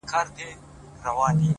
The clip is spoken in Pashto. هوډ د ناامیدۍ ورېځې لرې کوي.!